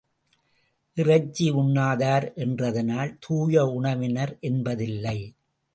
இறைச்சி உண்ணாதார் என்றதனால் தூய உணவினர் என்பதில்லை.